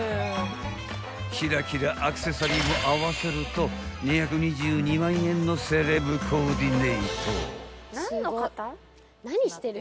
［キラキラアクセサリーも合わせると２２２万円のセレブコーディネート］